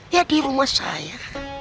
ya di rumah saya